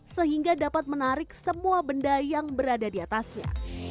sehingga dapat menarik semua benda yang berada di atasnya